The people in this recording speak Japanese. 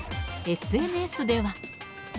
ＳＮＳでは。